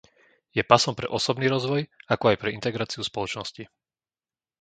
Je pasom pre osobný rozvoj ako aj pre integráciu spoločnosti.